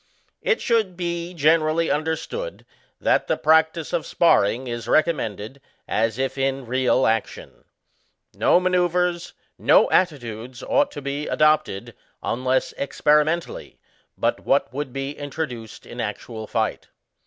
It should be generally understood that the practice of SPARRING is recommended, as if in real action. No manceuvres, no attitudes ought to be adopted, unless experimentally, but what would be introduced in actual fight.